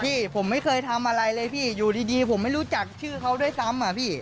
พี่ผมไม่เคยทำอะไรเลยพี่อยู่ดีผมไม่รู้จักชื่อเขาด้วยซ้ำอะพี่